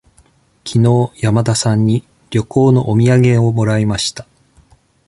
きのう山田さんに旅行のお土産をもらいました。